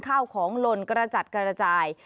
ข้าวของหล่นกระจัดกระจาย